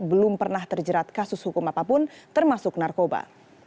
belum pernah terjerat kasus hukum apapun termasuk narkoba